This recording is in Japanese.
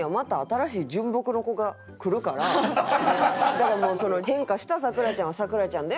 だから変化した咲楽ちゃんは咲楽ちゃんで